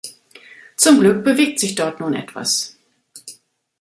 Zum Glück bewegt sich dort nun etwas.